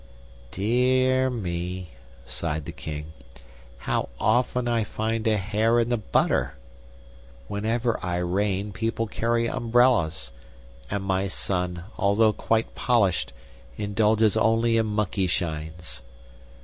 "Dear me," sighed the King, "how often I find a hair in the butter! Whenever I reign people carry umbrellas; and my son, although quite polished, indulges only in monkey shines!